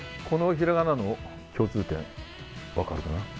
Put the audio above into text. このひらがなの共通点分かるかな？